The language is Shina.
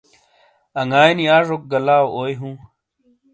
انگائی نیاجوک گہ لاؤاوئی ہوں۔